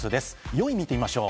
４位を見てみましょう。